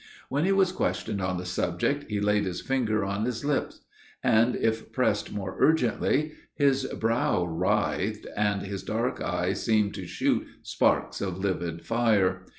When he was questioned on the subject, he laid his finger on his lip; and if pressed more urgently, his brow writhed, and his dark eye seemed to shoot sparks of livid fire!